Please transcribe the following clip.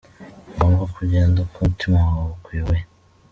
Ni ngombwa ko ugenda uko umutima wawe ukuyoboye.